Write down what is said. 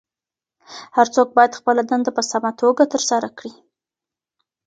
هر څوک باید خپله دنده په سمه توګه ترسره کړي.